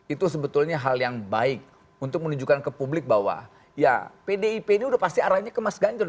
itu sebetulnya hal yang baik untuk menunjukkan ke publik bahwa ya pdip ini udah pasti arahnya ke mas ganjar